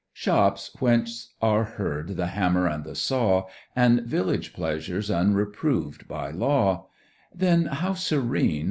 Shops, whence are heard the hammer and the saw, And village pleasures unreproved by law: Then how serene!